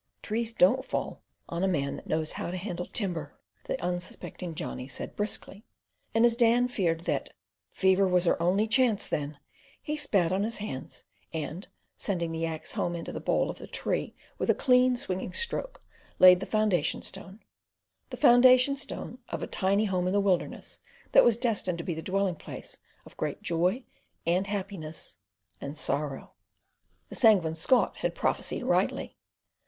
"Trees don't fall on a man that knows how to handle timber," the unsuspecting Johnny said briskly; and as Dan feared that "fever was her only chance then," he spat on his hands, and, sending the axe home into the bole of the tree with a clean, swinging stroke, laid the foundation stone—the foundation stone of a tiny home in the wilderness, that was destined to be the dwelling place of great joy, and happiness, and sorrow. The Sanguine Scot had prophesied rightly.